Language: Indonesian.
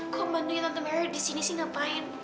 kamu bantuin tante mary di sini sih ngapain